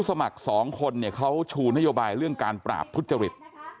สมัครสองคนเนี่ยเขาชูนโยบายเรื่องการปราบทุจริต